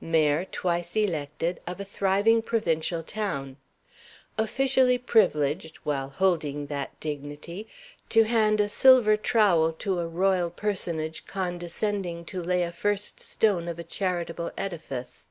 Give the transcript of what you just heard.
Mayor, twice elected, of a thriving provincial town. Officially privileged, while holding that dignity, to hand a silver trowel to a royal personage condescending to lay a first stone of a charitable edifice.